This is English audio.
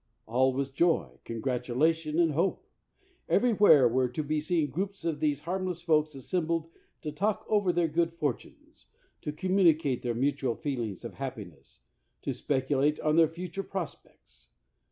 All was joy, congratulation, and hope. Everywhere were to be seen groups of these harmless folks assembled to talk over their good fortunes, to communicate their mutual feelings of happiness, to speculate on their future prospects.